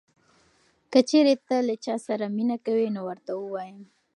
که چېرې ته له چا سره مینه کوې نو ورته ووایه.